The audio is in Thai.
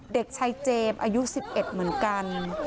เด็กชายเจมส์อายุ๑๑เหมือนกัน